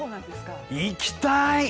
行きたい！